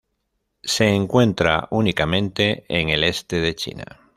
Se encuentra únicamente en el este de China.